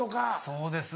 そうですね。